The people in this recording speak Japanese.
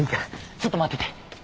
ちょっと待ってて。